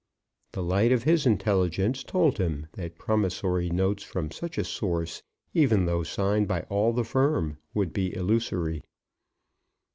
The light of his intelligence told him that promissory notes from such a source, even though signed by all the firm, would be illusory.